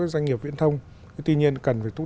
doanh nghiệp viễn thông tuy nhiên cần phải